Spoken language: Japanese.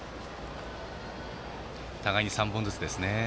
互いに３本ずつですね。